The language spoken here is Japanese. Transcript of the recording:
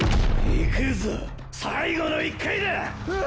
行くぞ最後の一回だッ！